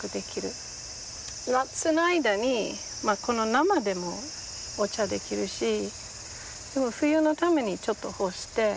夏の間に生でもお茶できるしでも冬のためにちょっと干して。